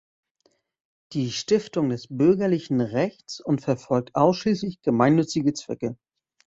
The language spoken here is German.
Die Stiftung des bürgerlichen Rechts und verfolgt ausschließlich gemeinnützige Zwecke.